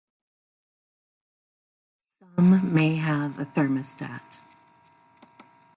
Some may have a thermostat.